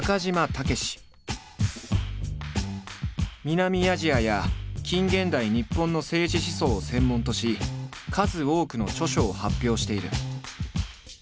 南アジアや近現代日本の政治思想を専門とし数多くの著書を発表している。